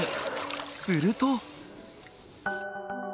すると。